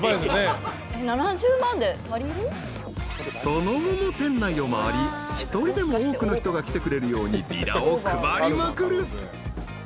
［その後も店内を回り一人でも多くの人が来てくれるようにビラを配りまくる］